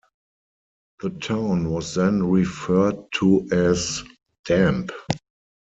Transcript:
The town was then referred to as "damp".